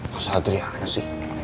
masa adriana sih